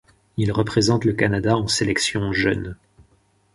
Il représente le Canada en sélections jeunes.